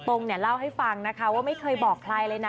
งเนี่ยเล่าให้ฟังนะคะว่าไม่เคยบอกใครเลยนะ